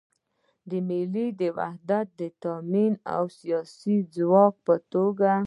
د ملي وحدت د تامین او د یو سیاسي ځواک په توګه